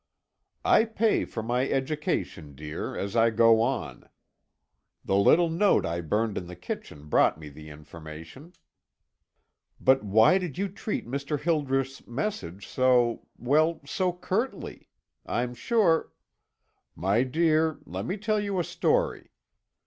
"I pay for my education, dear, as I go on. The little note I burned in the kitchen brought me the information." "But why did you treat Mr. Hildreth's message so well, so curtly? I'm sure " "My dear, let me tell you a story.